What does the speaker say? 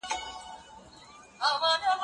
د شتمنو په مال کي د غریبانو حق سته.